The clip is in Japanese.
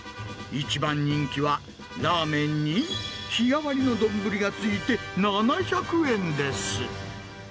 一番人気は、ラーメンに日替わりの丼がついて７００円です。